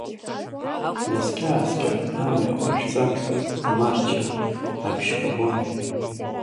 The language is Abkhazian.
Шәнаскьа-ааскьа, амҩа ҟашәҵа, амарџьа, абжьқәа гон.